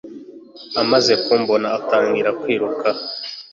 Amaze kumbona atangira kwiruka